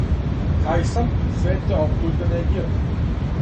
Хајсам све те оптужбе негира.